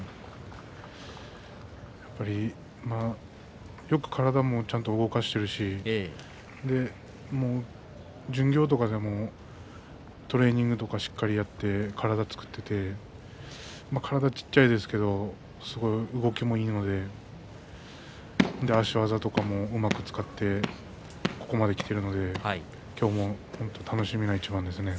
やっぱりよく体もちゃんと動かしているし巡業とかでもトレーニングとかしっかりやって体を作っていって体、小っちゃいですけれどすごい動きもいいので足技とかもうまく使ってここまできているので今日も本当に楽しみな一番ですね。